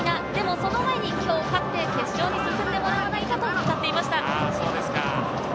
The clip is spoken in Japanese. その前に今日勝って、決勝に進んでもらいたいと語っていました。